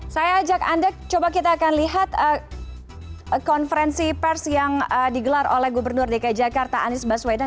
saya ajak anda coba kita akan lihat konferensi pers yang digelar oleh gubernur dki jakarta anies baswedan